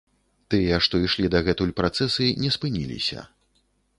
Тыя, што ішлі дагэтуль працэсы, не спыніліся.